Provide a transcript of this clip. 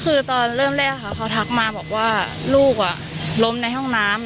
คือตอนเริ่มแรกค่ะเขาทักมาบอกว่าลูกล้มในห้องน้ำ